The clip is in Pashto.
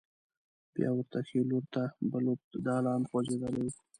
بیا ورته ښې لور ته بل اوږد دالان غوځېدلی و.